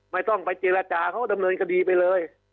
ไม่ต้องไปเจรจาเขาก็ดำเนินคดีไปเลย